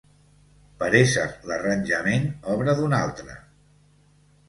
Per ésser l'arranjament obra d'un altre